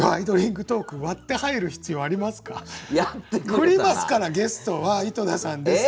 振りますから「ゲストは井戸田さんです」って。